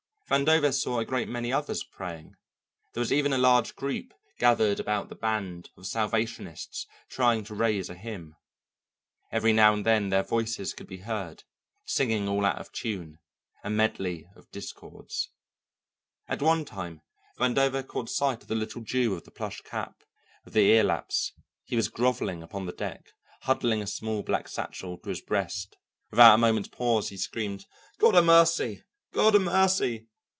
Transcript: Vandover saw a great many others praying; there was even a large group gathered about the band of Salvationists trying to raise a hymn. Every now and then their voices could be heard, singing all out of tune, a medley of discords. At one time Vandover caught sight of the little Jew of the plush cap with the ear laps; he was grovelling upon the deck, huddling a small black satchel to his breast; without a moment's pause he screamed, "God 'a' mercy! God 'a' mercy!"